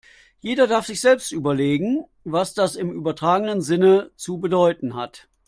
Jeder darf sich jetzt selbst überlegen, was das im übertragenen Sinne zu bedeuten hat.